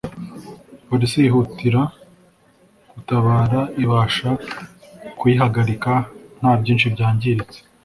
polisi yihutira gutabara ibasha kuyihagarika nta byinshi byangiritse